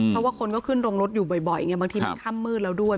เพราะว่าคนก็ขึ้นโรงรถอยู่บ่อยไงบางทีมันค่ำมืดแล้วด้วย